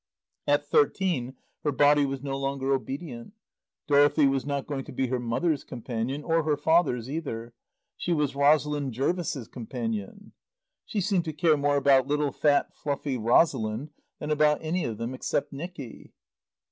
At thirteen her body was no longer obedient. Dorothy was not going to be her mother's companion, or her father's, either; she was Rosalind Jervis's companion. She seemed to care more about little fat, fluffy Rosalind than about any of them except Nicky.